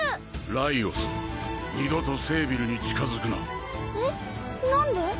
ライオス二度とセービルに近づくなえっ何で？